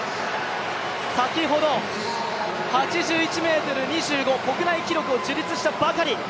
先ほど８１ｍ２５、国内記録を樹立したばかり。